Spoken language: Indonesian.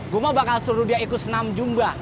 gua mau bakal suruh dia ikut senam jumpa